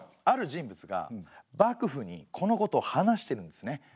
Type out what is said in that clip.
ある人物が幕府にこのことを話してるんですね。